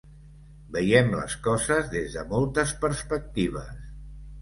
Veiem les coses des de moltes perspectives.